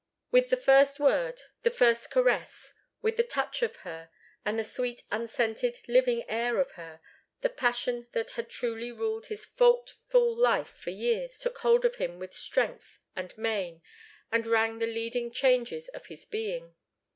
With the first word, the first caress, with the touch of her, and the sweet, unscented, living air of her, the passion that had truly ruled his faultful life for years took hold of him with strength and main, and rang the leading changes of his being.